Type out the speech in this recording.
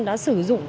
đã sử dụng